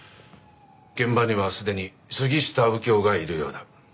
現場にはすでに杉下右京がいるようだ。